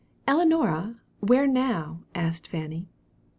"Ellinora, where now?" asked Fanny.